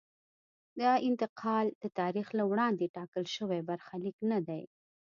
دا انتقال د تاریخ له وړاندې ټاکل شوی برخلیک نه دی.